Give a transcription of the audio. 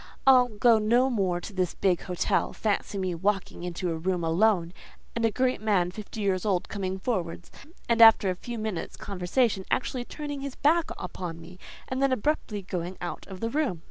"I'll go no more to his big hotel. Fancy me walking into a room alone, and a great man fifty years old coming forwards, and after a few minutes' conversation actually turning his back upon me, and then abruptly going out of the room.